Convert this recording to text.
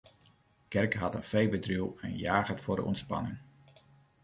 Gerke hat in feebedriuw en jaget foar de ûntspanning.